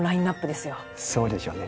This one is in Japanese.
そうでしょうね。